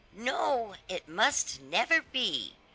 "No, it must never be!"